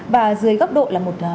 và dưới góc độ là một